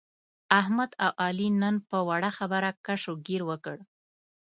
احمد او علي نن په وړه خبره کش او ګیر وکړ.